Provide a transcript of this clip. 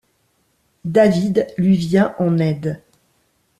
David lui vient en aide.